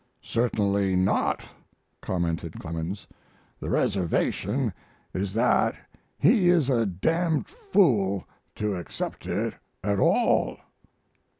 "Certainly not," commented Clemens; "the reservation is that he is a d d fool to accept it at all."